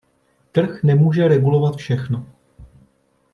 Trh nemůže regulovat všechno.